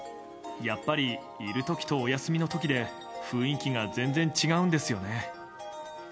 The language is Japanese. やっぱり、いるときとお休みのときで、雰囲気が全然違うんですよね。